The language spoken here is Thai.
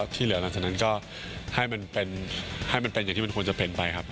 ที่เหลือหลังจากนั้นก็ให้มันเป็นอย่างที่มันควรจะเป็นไปครับ